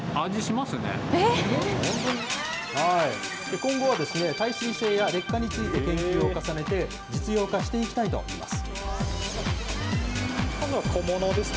今後は、耐水性や劣化について研究を重ねて、実用化していきたいといいます。